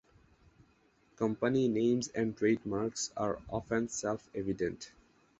Company names and trademarks are often self-evident.